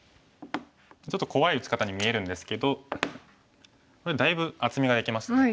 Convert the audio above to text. ちょっと怖い打ち方に見えるんですけどこれだいぶ厚みができましたよね。